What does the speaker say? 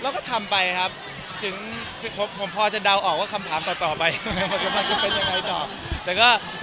เราก็ทำไปครับผมพอจะเดาไปแล้วคำถามกำคงเข้าไป